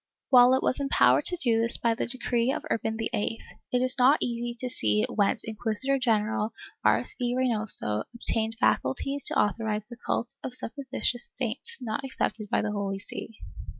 While it was empowered to do this by the decree of Urban VIII, it is not easy to see whence Inquisitor general Arce y Reynoso obtained faculties to authorize the cult of supposititious saints not accepted by the Holy See.